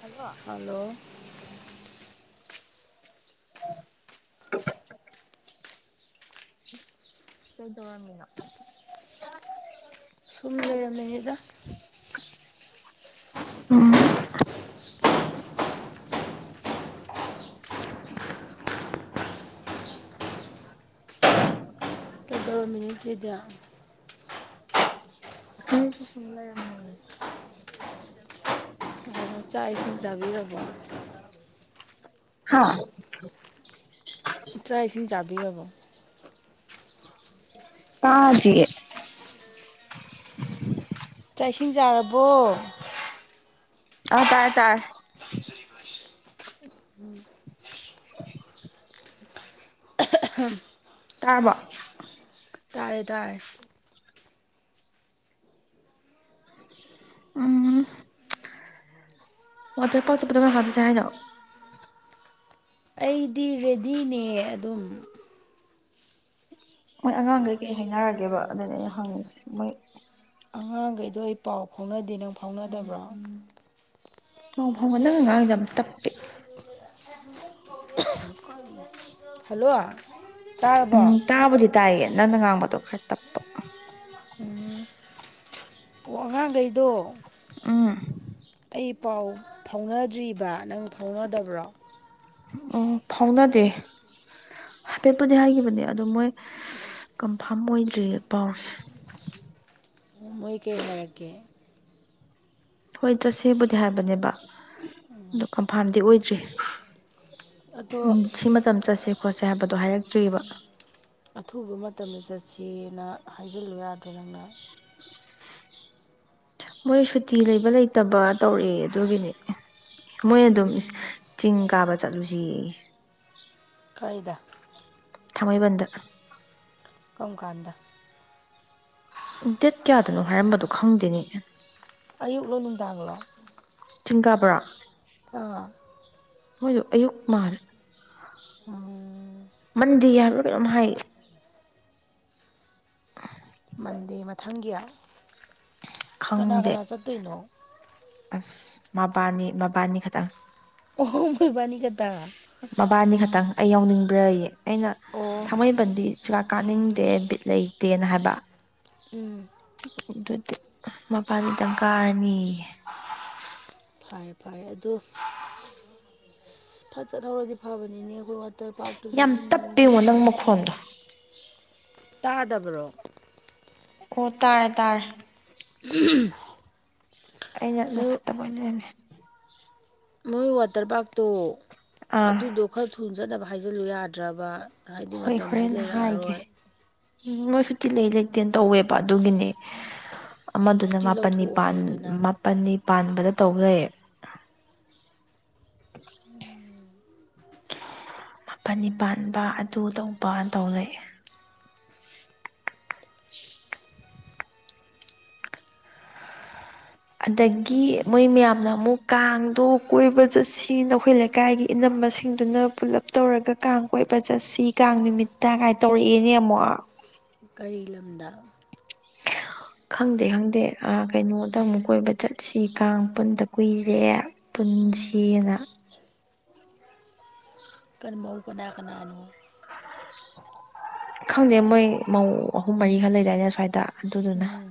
hello hello [unintelligible] ꯀꯩꯗꯧꯔꯝꯃꯤꯅꯣ ꯁꯨꯝ ꯂꯩꯔꯝꯃꯤꯅꯤꯗ ꯎꯝ ꯀꯩꯗꯧꯔꯝꯃꯤꯅꯣ ꯢꯆꯦꯗꯤ [unintelligible] ꯑꯣ ꯆꯥꯛ ꯏꯁꯤꯡ ꯆꯥꯕꯤꯔꯕꯣ [unintelligible] ꯆꯥ ꯏꯁꯤꯡ ꯆꯕꯤꯔꯕꯣ ꯇꯥꯗꯤꯌꯦ ꯆꯥꯛ ꯏꯁꯤꯡ ꯆꯥꯔꯕꯣ ꯑ ꯇꯥꯏ ꯇꯥꯏ [inaudible] ꯇꯥꯔꯕꯣ ꯇꯥꯔꯦ ꯇꯥꯔꯦ ꯎꯝ ꯋꯥꯇꯔ ꯄꯥꯛ ꯆꯠꯄꯗꯣ ꯀꯔꯝ ꯀꯥꯟꯗ ꯆꯠꯁꯦ ꯍꯥꯏꯅꯣ ꯑꯩꯗꯤ ꯔꯦꯗꯤꯅꯦ ꯑꯗꯨꯝ ꯃꯣꯏ ꯑꯉꯥꯡꯈꯩꯀꯩ ꯍꯥꯏꯅꯔꯒꯦꯕ ꯑꯗꯨꯅ ꯑꯩ ꯍꯪꯉꯁꯤ ꯃꯣꯏ ꯑꯉꯥꯡꯒꯩꯗꯣ ꯑꯩ ꯄꯥꯎ ꯐꯥꯎꯅꯗꯦ ꯅꯪ ꯐꯥꯎꯅꯗꯕ꯭ꯔꯣ ꯄꯥꯎ ꯐꯥꯎꯕ ꯅꯪꯑ ꯉꯥꯡꯉꯤꯗꯦ ꯌꯥꯝꯅ ꯇꯞꯄꯦ ꯍꯜꯂꯣ ꯇꯥꯔꯕꯣ ꯎꯝ ꯑꯣ ꯇꯥꯕꯨꯗꯤ ꯇꯥꯏꯌꯦꯦ ꯅꯪꯅ ꯉꯥꯡꯕꯗꯣ ꯈꯔ ꯇꯞꯄ ꯎꯝ ꯑꯣ ꯑꯉꯥꯡꯒꯩꯗꯣ ꯎꯝ ꯑꯩ ꯄꯥꯎ ꯐꯥꯎꯅꯗ꯭ꯔꯤꯕ ꯅꯪ ꯐꯥꯎꯅꯗꯕ꯭ꯔꯣ ꯑꯣ ꯐꯥꯎꯅꯗꯦ ꯍꯥꯏꯐꯦꯠꯄꯨꯗꯤ ꯍꯥꯏꯒꯤꯈꯤꯕꯅꯦ ꯑꯗꯨꯗꯣ ꯃꯣꯏ ꯀꯟꯐꯥꯝ ꯑꯣꯏꯗ꯭ꯔꯤꯌꯦ ꯄꯥꯎꯁꯦ ꯑꯣ ꯃꯣꯏ ꯀꯩ ꯍꯥꯏꯔꯛꯒꯦ ꯍꯣꯏ ꯆꯠꯁꯦꯕꯨꯗꯤ ꯍꯥꯏꯕꯅꯦꯕ ꯑꯗꯨ ꯀꯟꯐꯥꯝꯗꯤ ꯑꯣꯏꯗ꯭ꯔꯤ ꯎꯝ ꯑꯗꯣ ꯁꯤ ꯃꯇꯝ ꯆꯠꯁꯦ ꯈꯣꯠꯁꯦ ꯍꯥꯏꯕꯗꯣ ꯍꯥꯏꯔꯛꯇ꯭ꯔꯤꯑꯕ ꯑꯊꯨꯕ ꯃꯇꯝꯗ ꯆꯠꯁꯦꯅ ꯍꯥꯏꯖꯤꯜꯂꯨ ꯌꯥꯗ꯭ꯔꯣ ꯅꯪꯅ ꯃꯣꯏ ꯁꯨꯇꯤ ꯂꯩꯕ ꯂꯩꯇꯕ ꯇꯧꯔꯛꯑꯦ ꯑꯗꯨꯒꯤꯅꯤ ꯃꯣꯏ ꯑꯗꯨꯝ ꯆꯤꯡ ꯀꯥꯕ ꯆꯠꯂꯨꯁꯤ ꯌꯦ ꯀꯥꯏꯗ ꯊꯥꯡꯃꯩꯕꯟꯗ ꯀꯝ ꯀꯥꯟꯗ ꯗꯦꯠ ꯀꯌꯥꯗꯅꯣ ꯍꯥꯏꯔꯝꯕꯗꯣ ꯈꯪꯗꯦꯅꯦ ꯑꯌꯨꯛꯂꯣ ꯅꯨꯡꯗꯥꯡꯂꯣ ꯆꯤꯡꯒꯥꯕꯣꯔꯥ ꯑꯥ ꯃꯣꯏꯗꯣ ꯑꯌꯨꯛ ꯃꯥꯜꯂꯦ ꯑꯝ ꯃꯟꯗꯦ ꯍꯥꯢꯕ꯭ꯔ ꯀꯩꯅꯣꯝ ꯍꯥꯢꯌꯦ ꯃꯟꯗꯦ ꯃꯊꯪꯒꯤ ꯀꯅꯥ ꯈꯪꯗꯦ ꯀꯅꯥ ꯆꯠꯇꯣꯏꯅꯣ ꯑꯁ ꯃꯕꯥꯅꯤ ꯃꯕꯥꯅꯤ ꯈꯇꯪ ꯑꯣꯍꯣ ꯏꯕꯥꯅꯤꯈꯇ ꯃꯕꯥꯅꯤ ꯈꯛꯇꯪ ꯑꯩ ꯌꯥꯎꯅꯤꯡꯕ꯭ꯔꯥ ꯑꯩꯌꯦ ꯑꯩꯅ ꯑꯣ ꯊꯃꯩ ꯄꯟꯗꯤ ꯆꯔꯥꯛ ꯀꯥꯅꯤꯡꯗꯦ ꯕꯤꯠ ꯂꯩꯇꯦꯅ ꯍꯥꯏꯕ ꯎꯝ ꯑꯗꯨꯗꯤ ꯃꯕꯅꯤꯗꯪ ꯀꯥꯔꯅꯤꯌꯦ ꯐꯔꯦ ꯐꯔꯦ ꯑꯗꯣ ꯐꯠ ꯆꯠꯍꯧꯔꯗꯤ ꯐꯕꯅꯤꯅꯦ ꯑꯩꯈꯣꯏ ꯋꯥꯇꯔ ꯄꯥꯔꯛꯇꯨꯁꯨ ꯌꯥꯝ ꯁꯤ ꯝꯅꯨꯡꯁꯦ ꯇꯞꯄꯦꯉꯣ [unintelligible] ꯇꯥꯗꯕ꯭ꯔꯣ ꯑꯣ ꯇꯥꯔꯦ ꯇꯥꯔꯦ ꯎꯝ ꯑꯩꯅ [unintelligible] ꯃꯣꯏ ꯋꯥꯇꯔ ꯄꯥꯔꯛꯇꯣ ꯑꯥ ꯑꯗꯨꯗꯣ ꯈꯔ ꯊꯨ ꯆꯠꯅꯕ ꯍꯥꯏꯖꯤꯜꯂꯨ ꯌꯥꯗ꯭ꯔꯕ ꯍꯥꯏꯗꯤ ꯍꯣꯏ ꯃꯇꯝꯁꯤ ꯍꯣꯔꯦꯟ ꯍꯥꯏꯒꯦ ꯂꯩꯔꯛꯑꯔꯣꯏ ꯎꯝ ꯃꯣꯏ ꯁꯨꯇꯤ ꯂꯩ ꯂꯩꯇꯦꯅ ꯇꯧꯋꯦꯕ ꯑꯗꯨꯒꯤꯅꯦ ꯑꯃꯗꯨꯅ ꯁꯨꯇꯤ ꯃꯥꯄꯜꯅꯤ ꯂꯧꯊꯣꯛꯑꯣ ꯄꯥꯟ ꯍꯥꯏꯌꯨꯗꯅ ꯃꯥꯄꯜꯅꯤ ꯄꯥꯟꯕꯗ ꯇꯧꯂꯩꯔꯦ ꯃꯄꯜ ꯅꯤ ꯄꯥꯟꯕ ꯑꯗꯨ ꯇꯧꯕ ꯇꯧ ꯂꯩ ꯑꯗꯒꯤ ꯃꯣꯏ ꯃꯌꯥꯝꯅ ꯑꯃꯨꯛ ꯀꯥꯡꯗꯣ ꯀꯣꯏꯕ ꯆꯠꯁꯤ ꯑꯩꯈꯣꯏ ꯂꯩꯀꯥꯏꯒꯤ ꯏꯅꯝꯕꯁꯤꯡꯗꯨꯅ ꯄꯨꯜꯂꯞ ꯇꯧꯔꯒ ꯀꯥꯡ ꯀꯣꯏꯕ ꯆꯠꯁꯤ ꯀꯥꯡ ꯅꯨꯃꯤꯠꯇ ꯀꯥꯏꯅ ꯇꯧꯔꯛꯑꯦꯅꯦ ꯑꯃꯨꯛ ꯀꯔꯤ ꯂꯝꯗ [inaudible] ꯈꯪꯗꯦ ꯈꯪꯗꯦ ꯑ ꯀꯩꯅꯣꯗ ꯑꯃꯨꯛ ꯀꯣꯏꯕ ꯆꯠꯁꯤ ꯀꯥꯡ ꯄꯨꯟꯗ ꯀꯨꯏꯔꯦ ꯎꯝ ꯄꯨꯟꯁꯤꯅ ꯀꯩ ꯃꯧ ꯀꯅꯥ-ꯀꯅꯥ ꯅꯣ ꯈꯪꯗꯦ ꯃꯣꯏ ꯃꯧ ꯑꯍꯨꯝ ꯃꯔꯤꯈ ꯂꯩꯗꯥꯏꯗ ꯁ꯭ꯋꯥꯏꯗ ꯑꯗꯨꯗꯨꯅ ꯎꯝ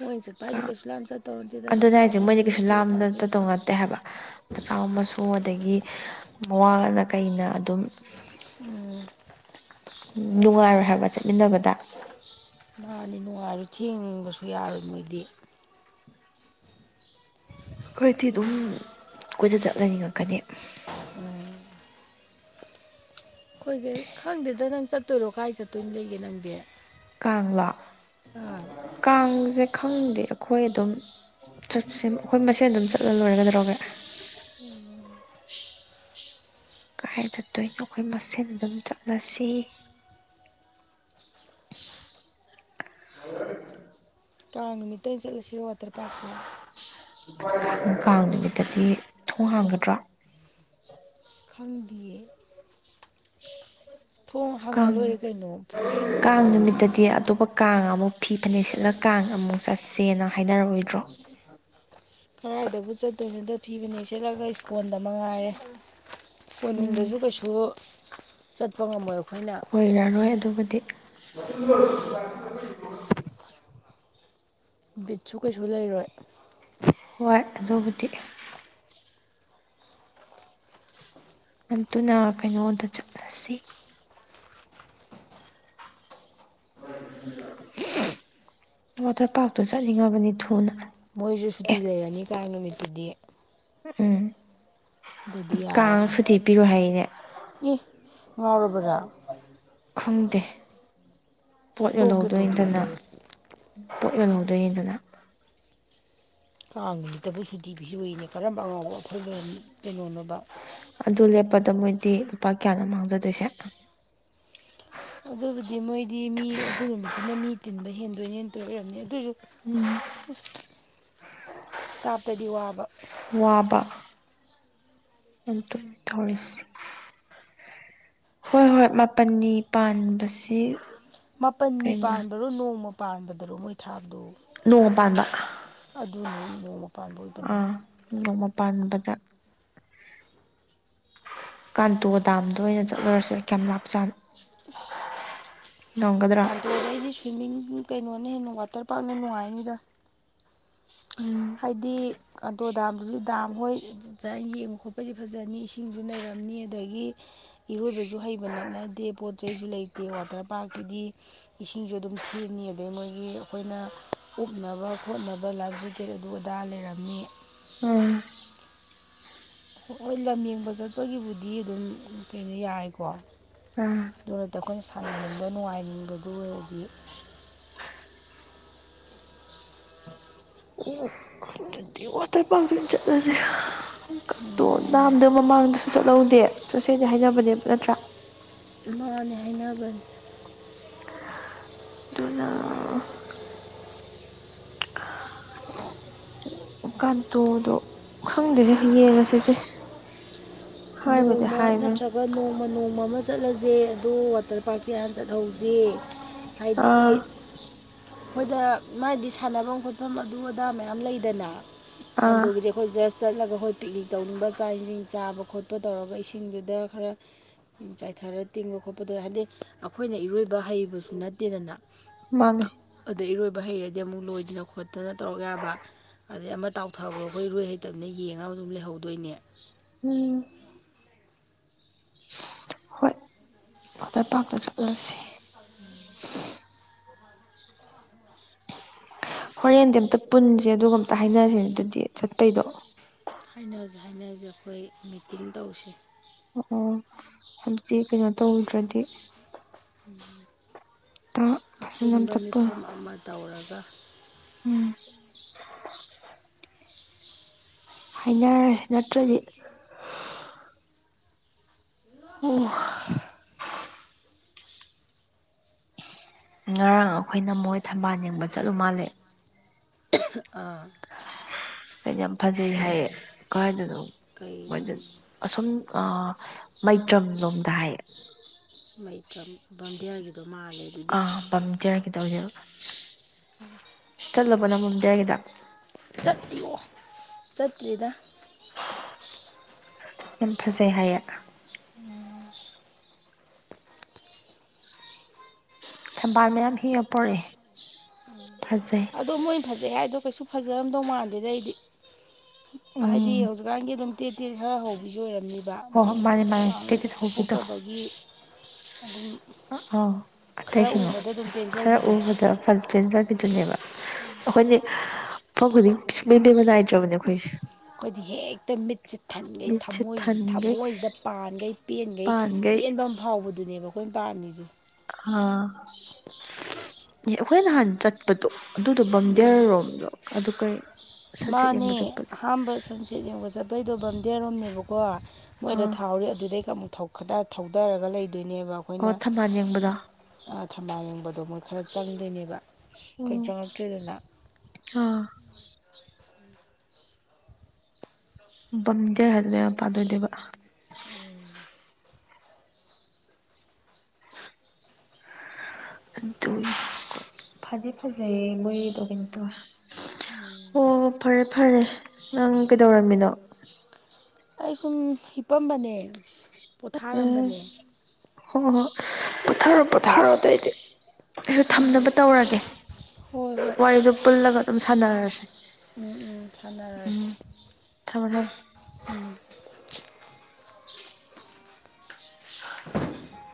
ꯃꯣꯏꯅ ꯆꯠꯄ ꯍꯥꯏꯁꯦ ꯀꯩꯁꯨ ꯌꯥꯝ ꯆꯠꯇꯧ ꯅꯠꯇꯦꯗ ꯑꯗꯨꯅ ꯃꯆꯥ ꯍꯥꯏꯁꯦ ꯃꯁꯨ ꯃꯣꯏꯗꯤ ꯀꯩꯁꯨ ꯑꯄꯦꯕ ꯂꯥꯝꯅ ꯑꯄꯦꯕ ꯇꯠꯇꯧ ꯅꯠꯇꯦ ꯍꯥꯏꯕ ꯃꯆꯥ ꯃꯁꯨ ꯑꯗꯒꯤ ꯃꯋꯥꯅ ꯀꯩꯅ ꯑꯗꯨꯝ ꯎꯝ ꯅꯨꯡꯉꯥꯏꯔꯣꯏ ꯍꯥꯏꯕ ꯆꯠꯃꯤꯟꯅꯕꯗ ꯃꯥꯅꯤ ꯅꯨꯡꯉꯥꯏꯔꯣꯢ ꯊꯦꯡꯕꯁꯨ ꯌꯥꯔꯣꯏ ꯃꯣꯏꯗꯤ ꯑꯩꯈꯣꯏꯗꯤ ꯑꯗꯨꯝ ꯀꯣꯏꯆꯠ ꯆꯠꯂꯒꯥ ꯂꯩꯅꯤꯡꯉꯛꯀꯅꯤ ꯎꯝ ꯑꯩꯈꯣꯏꯒꯤ ꯈꯪꯗꯦꯗ ꯅꯪ ꯆꯠꯇꯣꯏꯔꯣ ꯀꯥꯏ ꯆꯠꯇꯣꯏꯅꯣ ꯂꯩꯒꯦ ꯅꯪꯗꯤ ꯀꯥꯡ ꯂꯣ ꯑꯥ ꯀꯥꯡꯁꯦ ꯈꯪꯗꯦ ꯑꯩꯈꯣꯏ ꯑꯗꯨꯝ ꯆꯠꯁꯦ ꯑꯩꯈꯣꯏ ꯃꯁꯦꯟ ꯑꯗꯨꯝ ꯆꯠꯂ ꯂꯣꯏꯔꯦ ꯀꯩꯗꯧꯔꯒꯦ [inaudible] ꯀꯗꯥꯥꯏ ꯆꯠꯇꯣꯏꯅꯣ ꯑꯩꯈꯣꯏ ꯃꯁꯦꯟ ꯑꯗꯨꯝ ꯆꯠꯂꯁꯤ [unintelligible] ꯀꯥꯡ ꯅꯨꯃꯤꯠꯇ ꯑꯣꯏ ꯆꯠꯂꯁꯤꯔꯣ ꯋꯥꯇꯔ ꯄꯥꯔꯛꯁꯦ ꯀꯥꯡ ꯅꯨꯃꯤꯠꯇꯗꯤ ꯊꯣꯡ ꯍꯥꯡꯒꯗ꯭ꯔꯥ ꯈꯪꯗꯤꯌꯦ ꯊꯣꯡ ꯍꯪꯉ ꯀꯥꯡ ꯂꯣꯏꯔꯦ ꯀꯩꯅꯣ ꯐꯣꯟ ꯅꯝꯕꯔ ꯀꯥꯡ ꯌꯥꯎꯔꯝꯅꯤ ꯅꯨꯃꯤꯠꯇꯗꯤ ꯑꯇꯣꯞꯄ ꯀꯥꯡ ꯑꯃꯨꯛ ꯐꯤ ꯐꯅꯦꯛ ꯁꯤꯠꯂ ꯀꯥꯡ ꯑꯃꯨꯛ ꯆꯠꯁꯦꯅ ꯍꯥꯏꯅꯔꯛꯑꯣꯏꯗ꯭ꯔꯣ ꯀꯔꯥꯏꯗꯕꯨ ꯆꯠꯇꯣꯏꯅꯣꯗ ꯐꯤꯕꯅꯦ ꯁꯦꯠꯂꯒ ꯏꯁꯀꯣꯟꯗ ꯃ ꯉꯥꯏꯔꯦ ꯀꯣꯅꯨꯡꯗꯁꯨ ꯎꯝ ꯀꯩꯁꯨ ꯆꯠꯄ ꯉꯝꯃꯣꯏ ꯑꯩꯈꯣꯏꯅ ꯑꯣꯏꯔꯔꯣꯏ ꯑꯗꯨꯕꯨꯗꯤ ꯕꯤꯠꯁꯨ ꯀꯩꯁꯨ ꯂꯩꯔꯣꯏ ꯍꯣꯏ ꯑꯗꯨꯕꯨꯗꯤ ꯑꯗꯨꯅ ꯀꯩꯅꯣꯗ ꯆꯠꯂꯁꯤ ꯋꯥꯇꯔ ꯄꯥꯛꯇꯨ ꯆꯠꯅꯤꯡꯂꯥꯕꯅꯤ ꯊꯨꯅ ꯃꯣꯏꯁꯨ ꯁꯨꯇꯤ ꯑꯦ ꯂꯩꯔꯅꯤ ꯀꯥꯡ ꯅꯨꯃꯤꯠꯇꯨꯗꯤ ꯎꯝ ꯑꯗꯨꯗꯤ ꯀꯥꯡꯗ ꯁꯨꯇꯤ ꯄꯤꯔꯣ ꯍꯥꯏꯅꯦ ꯏ ꯉꯥꯎꯔꯕꯔꯥ ꯈꯪꯗꯦ ꯄꯣꯠ ꯇꯣꯛꯀꯦ ꯌꯜꯍꯧꯗꯣꯏꯅꯤꯗꯅ ꯇꯣꯛꯊꯣꯛꯑꯣꯌꯦ ꯄꯣꯠ ꯌꯣꯟꯍꯧꯗꯣꯏꯌꯦꯗꯅ ꯀꯥꯡ ꯅꯨꯃꯤꯠꯇꯕꯨ ꯁꯨꯇꯤ ꯄꯤꯔꫭꯏꯑꯦ ꯀꯔꯝꯕ ꯑꯉꯥꯎꯕ ꯑꯐꯥꯏ ꯕꯅꯣꯕ ꯑꯗꯨ ꯂꯦꯞꯄꯗ ꯃꯣꯏꯗꯤ ꯂꯨꯄꯥ ꯀꯌꯥꯅꯣ ꯃꯥꯡꯖꯗꯣꯏꯁꯦ ꯑꯗꯨꯕꯨꯗꯤ ꯃꯣꯏꯗꯤ ꯃꯤ ꯑꯗꯨ ꯅꯨꯃꯤꯠ ꯇꯨꯅ ꯃꯤ ꯇꯤꯟꯕ ꯍꯦꯟꯗꯣꯏꯅꯦ ꯇꯧꯔꯤ ꯑꯣꯏꯔꯝꯅꯤ ꯑꯗꯣꯏ ꯖꯨ ꯎꯝ ꯑꯁ ꯏꯁꯇꯥꯞꯇꯗꯤ ꯋꯥꯕ ꯋꯥꯕ ꯑꯇ ꯇꯧꯔꯤꯁꯤ ꯍꯣꯏ ꯍꯣꯏ ꯃꯥꯄꯜꯅꯤ ꯄꯥꯟꯕꯁꯤ ꯃꯥꯄꯟꯅꯤ ꯀꯩꯅꯣ ꯄꯥꯟꯕꯔꯣ ꯅꯣꯡꯃ ꯄꯥꯟꯕꯗꯔꯣ ꯃꯣꯏ ꯊꯥꯕꯗꯣ ꯅꯣꯡꯃ ꯄꯥꯟꯕ ꯑꯗꯨꯅꯤ ꯅꯣꯡꯃ ꯄꯥꯟꯕ ꯑꯣꯏꯕꯅꯤ ꯑꯥ ꯅꯣꯡꯃ ꯄꯥꯟꯕꯗ ꯀꯥꯟꯇꯣ ꯗꯥꯝꯗ ꯑꯣꯏꯅ ꯆꯠꯂꯨꯔꯁꯨ ꯀꯌꯥꯝ ꯂꯥꯞꯆꯥ ꯀ ꯑꯗꯨ ꯑꯗꯩ ꯑꯩꯗꯤ ꯁ꯭ꯋꯤꯝꯃꯤꯡ ꯀꯩꯅꯣꯅ ꯍꯦꯟꯅ ꯋꯥꯇꯔ ꯄꯥꯛꯅ ꯅꯨꯡꯉꯥꯏꯅꯤꯗ ꯎꯝ ꯍꯥꯏꯗꯤ ꯑꯥꯇꯣ ꯗꯥꯝꯗꯨꯁꯨ ꯗꯥꯝ ꯍꯣꯏ ꯌꯦꯡꯕ ꯈꯣꯠꯄꯗꯤ ꯐꯖꯅꯤ ꯏꯁꯤꯡꯁꯨ ꯅꯔꯝꯅꯤ ꯑꯗꯒꯤ ꯏꯔꯣꯏꯕꯁꯨ ꯍꯩꯕ ꯅꯠꯅꯗꯦ ꯄꯣꯠ ꯆꯩꯁꯨ ꯂꯩꯇꯦ ꯋꯥꯇꯔ ꯄꯥꯔꯛꯀꯤꯗꯤ ꯏꯁꯤꯡꯖꯨ ꯑꯗꯨꯝ ꯊꯦꯟꯅꯤ ꯑꯗꯩ ꯃꯣꯏꯒꯤ ꯑꯈꯣꯏꯅ ꯎꯞꯅꯕ ꯈꯣꯠꯅꯕ ꯂꯥꯏꯐ ꯖꯦꯛ ꯀꯦꯠ ꯑꯗꯨ ꯑꯗꯥ ꯂꯩꯔꯝꯅꯤ ꯎꯝ ꯍꯣꯏ ꯍꯣꯏ ꯂꯝ ꯌꯦꯡꯕ ꯆꯠꯄꯒꯤꯕꯨꯗꯤ ꯑꯗꯨꯝ ꯀꯩꯅꯣ ꯌꯥꯏꯀꯣ ꯑ ꯑꯗꯨꯔꯗꯤ ꯑꯩꯈꯣꯏꯅ ꯁꯥꯟꯅꯅꯤꯡꯕ ꯅꯨꯡꯉꯥꯏꯅꯤꯡꯕꯗꯨ ꯑꯣꯏꯔꯗꯤ ꯎ ꯑꯗꯨꯗꯤ ꯑꯇꯣꯏ ꯄꯥꯡꯇꯣꯏꯅ ꯆꯠꯂꯁꯀ ꯇꯣꯟ ꯅꯥꯝꯗ ꯃꯃꯥꯡꯗ ꯆꯣꯠꯍꯧꯗꯦ ꯆꯠꯁꯦꯡꯗꯤ ꯍꯥꯏꯅꯕꯅꯦꯕ ꯅꯠꯇ꯭ꯔꯥ ꯃꯥꯅꯦ ꯍꯥꯏꯅꯕꯅꯤ ꯗꯨꯅ ꯀꯥꯟꯇꯣꯗꯣ ꯈꯪꯗꯦꯗ ꯌꯦꯡꯉ ꯁꯤꯁꯦ ꯅꯣꯡꯃ ꯅꯠꯇ꯭ꯔꯒ ꯅꯣꯡꯃ ꯅꯣꯡꯃ ꯑꯃ ꯆꯠꯂꯁꯦ ꯑꯗꯨ ꯋꯥꯇꯔ ꯄꯥꯔꯀꯤ ꯍꯥꯟ ꯆꯠꯍꯧꯁꯦ ꯑꯥ ꯍꯣꯏꯗ ꯃꯥꯏꯗꯤ ꯁꯥꯟꯅꯕꯝ ꯈꯣꯠꯐꯝ ꯑꯗꯨ ꯑꯗꯥ ꯃꯌꯥꯝ ꯂꯩꯗꯅ ꯑꯥ ꯀꯥꯡꯇꯒꯤꯗꯤ ꯑꯩꯈꯣꯏ ꯖꯁ ꯆꯠꯂꯒ ꯑꯩꯈꯣꯏ ꯄꯤꯛꯅꯤꯛ ꯇꯧꯅꯤꯡꯕ ꯆꯥꯛ ꯏꯁꯤꯡ ꯆꯥꯕ ꯈꯣꯠꯄ ꯀꯩꯗꯧꯔꯒ ꯏꯁꯤꯡꯗꯨꯗ ꯈꯔ ꯆꯥꯏꯊꯔ ꯇꯤꯡꯕ ꯈꯣꯠꯄꯗ ꯍꯥꯏꯗꯤ ꯑꯩꯈꯣꯏꯅ ꯏꯔꯣꯏꯕ ꯍꯩꯕꯁꯨ ꯅꯠꯇꯦꯗꯅ ꯃꯥꯟꯅꯦ ꯑꯗꫭ ꯏꯔꯣꯏꯕ ꯍꯩꯔꯗꯤ ꯑꯃꯨꯛ ꯂꯣꯏꯗꯅ ꯈꯣꯠꯇꯅ ꯇꯧꯔꯛ ꯌꯥꯕ ꯑꯗꯩ ꯑꯃ ꯇꯥꯎꯊꯒꯔꯣꯑꯩꯈꯣꯏ ꯔꯣꯏ ꯍꯩꯇꯝꯅꯤꯅ ꯌꯦꯡꯉ ꯑꯗꯨꯝ ꯂꯩꯍꯧꯗꯣꯏꯅꯤ ꯎꯝ ꯍꯣꯏ ꯋꯥꯇꯔ ꯄꯥꯛꯇ ꯆꯠꯂꯥꯁꯦ [unintelligible] ꯍꯣꯔꯦꯟꯗꯤ ꯑꯝꯇ ꯄꯨꯟꯁꯦ ꯑꯗꯨꯒ ꯑꯝꯇ ꯍꯥꯏꯅꯔꯁꯦ ꯑꯗꯨꯗꯤ ꯆꯠꯄꯩꯗꯣ ꯍꯥꯏꯅꯖꯦ ꯍꯥꯏꯅꯖꯦ ꯑꯈꯣꯏ ꯃꯤꯇꯤꯡ ꯇꯧꯁꯤ ꯑꯣ ꯑꫭ ꯍꯥꯟꯆꯤꯠ ꯀꯩꯅꯣ ꯇꯧꯗ꯭ꯔꯗꯤ ꯑꯝꯇ ꯐꯖꯅ ꯑꯄꯨꯟꯕ ꯑꯝꯇ ꯃꯤꯐꯝ ꯑꯃ ꯇꯧꯔꯒ [unintelligible] ꯍꯥꯏꯅꯔꯁꯦ ꯅꯠꯇ꯭ꯔꯗꯤ [unintelligible] [unintelligible] ꯉꯔꯥꯡ ꯑꯩꯈꯣꯏꯅ ꯃꯣꯏ ꯊꯝꯕꯥꯜ ꯌꯦꯡꯕ ꯆꯠꯂꯨ ꯃꯥꯜꯂꯦ ꯑꯥ ꯑꯩꯅ ꯌꯥꯝ ꯐꯖꯩ ꯍꯥꯏꯌꯦ ꯀꯥꯏꯗꯅꯣ ꯀꯩ ꯂꯝ ꯃꫭꯏ ꯑꯁꯨꯝ ꯑꯥ ꯃꯩꯇ꯭ꯔꯝꯂꯣꯝꯗ ꯍꯥꯏꯌꯦ ꯃꯩꯇ꯭ꯔꯝ ꯕꯝꯗꯤꯌꯥꯔꯒꯤ ꯑꯥ ꯕꯝꯗꯤꯌꯥꯔꯒꯤꯗꫭ ꯑꫭꯏꯗꯨꯏꯕ ꯆꯠꯂꯕꫭ ꯅꯪ ꯕꯝꯗꯤꯌꯥꯔꯒꯤꯗꫭ ꯆꯠ ꯑꯌꫭ ꯆꯠꯇ꯭ꯔꯤꯗ ꯌꯥꯝ ꯐꯖꯩ ꯍꯥꯏꯌꯦ ꯊꯝꯕꯥꯜ ꯃꯌꯥꯝ ꯍꯩꯛꯑꯒ ꯄꯔꯥꯛꯑ ꯐꯖꯩ ꯑꯗꯣ ꯃꯣꯏ ꯐꯖꯩ ꯍꯥꯏꯗꯣ ꯀꯩꯁꯨ ꯐꯖꯔꯝꯗꯧ ꯃꯥꯟꯗꯦꯗ ꯑꯩꯗꯤ ꯍꯥꯏꯗꯤ ꯎꯝ ꯍꯧꯖꯤꯛ ꯑꯗꯨꯀꯥꯟꯒꯤ ꯑꯗꯨꯝ ꯇꯦꯠ ꯇꯦꯠ ꯈꯔ ꯍꯧꯕꯤꯁꯨ ꯑꯣꯏꯔꯝꯅꯤꯕ ꯍꯣꯏ ꯃꯣꯏ ꯍꯣꯏ ꯃꯥꯅꯦ ꯃꯥꯅꯦ ꯄꯥꯡ ꯇꯦꯛꯇꯦꯛ ꯊꯧꯕꯤꯗꯣ ꯆꯠꯊꯣꯛꯇꯕꯒꯤ ꯑꯗꯨꯝ ꯑ ꯑꯥ ꯈꯔ ꯑꯇꯩꯁꯨꯅꯦ ꯎꯕꯗ ꯑꯗꯨꯝ ꯈꯔ ꯄꯦꯟꯖꯕꯤꯗꯣ ꯎꯕꯗ ꯄꯦꯟꯖꯕꯤꯗꯨꯅꯦꯕ ꯑꯩꯈꯣꯏꯅꯦ ꯃꯐꯝ ꯈꯨꯗꯤꯡ ꯁꯨꯡꯄꯦꯟ ꯄꯦꯟꯕ ꯅꯥꯏꯗ꯭ꯔꯕꯅꯦ ꯑꯩꯈꯣꯏꯁꯦ ꯑꯩꯈꯣꯏꯗꯤ ꯍꯦꯛꯇ ꯃꯤꯠ ꯁꯦ ꯊꯟꯈꯩ ꯃꯤꯠꯁꯦ ꯊꯃꯣꯏꯁꯤꯗ ꯊꯟꯈꯩ ꯊꯃꯣꯏꯁꯤꯗ ꯄꯥꯟꯈꯩ ꯄꯦꯟꯈꯩ ꯄꯥꯟꯈꯩ ꯄꯦꯟꯕ ꯑꯃ ꯐꯥꯎꯕꯗꯨꯅꯦꯕꯀꯣ ꯃꯣꯏ ꯄꯥꯝꯃꯤ ꯖꯦ ꯑꯥ ꯑꯦ ꯑꯩꯈꯣꯏ ꯅꯍꯥꯟ ꯆꯠ ꯄꯠꯇꯣ ꯑꯗꯨꯗꯣ ꯕꯝꯗꯤꯜꯌꯔꯣꯝꯔꫭ ꯑꯗꯨ ꯀꯩ ꯁꯟꯁꯦꯠ ꯃꯥꯅꯦ ꯌꯦꯡꯕ ꯆꯠꯄꯗꯣ ꯑꯍꯝꯕ ꯁꯟꯁꯦꯠ ꯌꯦꯡꯕ ꯆꯠꯄꯩꯗꯣ ꯕꯝꯗꯤꯜꯔꯣꯝꯅꯦꯕꯀꯣ ꯃꯣꯏꯗ ꯑꯥ ꯊꯥꯍꯧꯔꯤ ꯑꯗꯨꯗꯩ ꯑꯃꯨꯛ ꯊꯧ ꯈꯗ ꯊꯧꯗꯔꯒ ꯂꯩꯗꯣꯏꯅꯦꯕ ꯑꯣ ꯊꯝꯕꯥꯜ ꯌꯦꯡꯕꯗꯣ ꯑꯥ ꯊꯝꯕꯥꯜ ꯌꯦꯡꯕꯗꯣ ꯃꯣꯏ ꯈꯔ ꯆꯪꯗꯣꯏꯅꯦꯕ ꯈꯣꯏ ꯎꯝ ꯆꯪꯉꯛꯇ꯭ꯔꯦꯗꯅ ꯑꯥ ꯕꯝꯗꯤꯜ ꯍꯥꯏꯕꯒꯤ ꯃꯄꯥꯗꫭ ꯑꫭꯏꯗꯨꯏꯕ ꯎꯝ [unintelligible] ꯑꯗꯨꯅꯤ ꯐꯗꯤ ꯐꯖꯩꯌꯦ ꯃꯣꯏꯒꯤꯗꯣ ꯀꯩꯅꯣ ꯇꯧꯏ ꯑꯣ ꯐꯔꯦ ꯐꯔꯦ ꯅꯪ ꯀꯩꯗꯧꯔꯝꯃꯤꯅꯣ ꯑꯩ ꯁꯨꯝ ꯍꯤꯄꯝꯕꯅꯦ ꯎꯝ ꯍ ꯍ ꯄꯊꯔ ꯄꯊꯔ ꯇꯥꯏꯗꯤ ꯑꯩꯁꯨ ꯊꯝꯅꯕ ꯇꯧꯔꯒꯦ ꯍꯣꯏ ꯍꯣꯏ ꯋꯥꯔꯤꯗꯣ ꯄꯨꯜꯂꯒ ꯑꯗꯨꯝ ꯁꯥꯟꯅꯔꯁꯦ ꯎꯝ ꯎꯝ ꯁꯥꯟꯅꯔꯁꯤ ꯎꯝ ꯊꯝꯃꯦ ꯊꯝꯃꯦ ꯎꯝ [unintelligible] [unintelligible]